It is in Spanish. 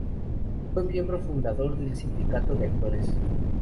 Fue miembro fundador del Sindicato de Actores.